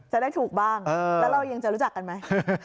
จะได้ถูกบ้างแล้วเรายังจะรู้จักกันไหม